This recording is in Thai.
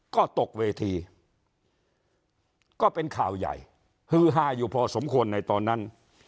ก็ตกเวทีก็เป็นข่าวใหญ่ฮือฮาอยู่พอสมควรในตอนนั้น